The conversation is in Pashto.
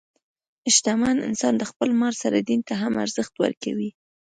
شتمن انسان د خپل مال سره دین ته هم ارزښت ورکوي.